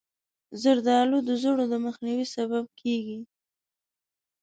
زردالو د زړو د مخنیوي سبب کېږي.